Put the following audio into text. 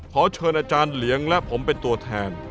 ขอเชิญอาจารย์เหลียงและผมเป็นตัวแทน